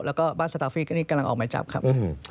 แล้วก็บ้านสตาฟี่ก็นี่กำลังออกหมายจับครับ